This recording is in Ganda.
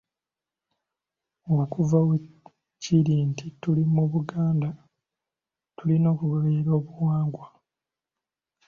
"Okuva lwe kiri nti tuli mu Buganda, tulina okugoberera obuwangwa."